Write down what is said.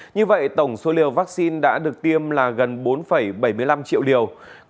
như vậy tổng số liều vaccine đã được tiêm là gần bốn bảy mươi năm triệu liều